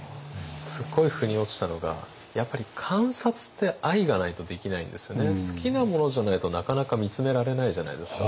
すっごいふに落ちたのがやっぱり好きなものじゃないとなかなか見つめられないじゃないですか。